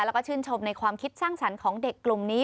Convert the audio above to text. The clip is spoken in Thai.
แล้วก็ชื่นชมในความคิดสร้างสรรค์ของเด็กกลุ่มนี้